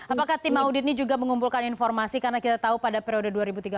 apakah tim audit ini juga mengumpulkan informasi karena kita tahu pada periode dua ribu tiga belas